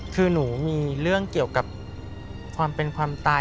คือหนูมีเรื่องเกี่ยวกับความเป็นความตาย